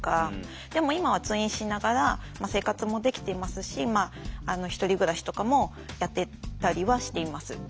でも今は通院しながら生活もできていますし１人暮らしとかもやってたりはしています。